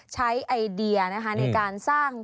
ไอเดียในการสร้าง